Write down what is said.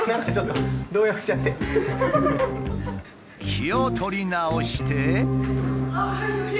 気を取り直して。